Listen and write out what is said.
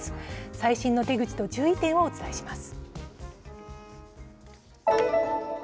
最新の手口と注意点をお伝えします。